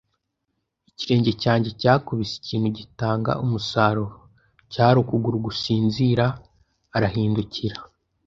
Ikirenge cyanjye cyakubise ikintu gitanga umusaruro - cyari ukuguru gusinzira; arahindukira